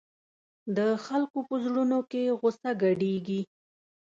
د خلکو په زړونو کې غوسه ګډېږي.